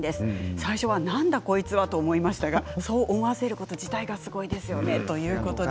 最初はなんだこいつはと思ったんですがそう思わせること自体がすごいですよねということです。